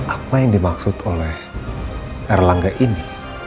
apa yang dimaksud oleh erlangga ini